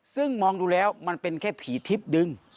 ซึ่งมองดูแล้วมันเป็นแค่ผีทิพย์ดึง